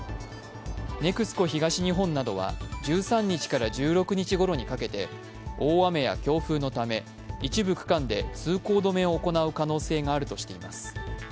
ＮＥＸＣＯ東日本などは１３日から１６日ごろにかけて、大雨や強風のため一部区間で通行止めを行う可能性があるとしています。